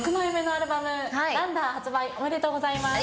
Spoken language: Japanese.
ありがとうございます。